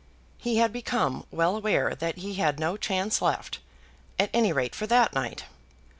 He had become well aware that he had no chance left, at any rate for that night.